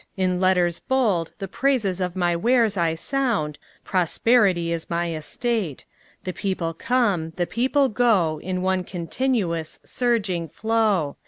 In letters bold The praises of my wares I sound, Prosperity is my estate; The people come, The people go In one continuous, Surging flow.